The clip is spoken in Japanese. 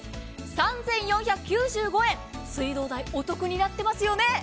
３４９５円水道代、お得になっていますよね。